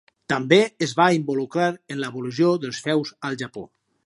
També es va involucrar en l'abolició dels feus al Japó.